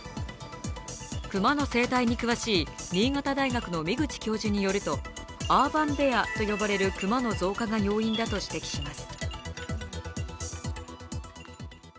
熊の生態に詳しい新潟大学の箕口教授によるとアーバンベアと呼ばれる熊の増加が要因だと指摘します。